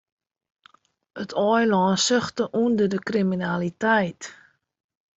It eilân suchte ûnder de kriminaliteit.